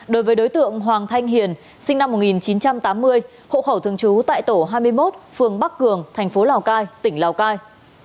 đối với đối tượng hoàng thanh hiền sinh năm một nghìn chín trăm tám mươi hộ khẩu thường trú tại tổ hai mươi một phường bắc cường thành phố lào cai tỉnh lào cai